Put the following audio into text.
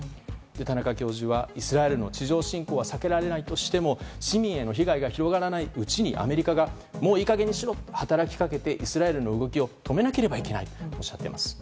田中教授はイスラエルの地上侵攻は避けられないとしても市民への被害が広がらないうちに、アメリカがもういい加減にしろと働きかけてイスラエルの動きを止めなければいけないとおっしゃっています。